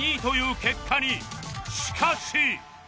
しかし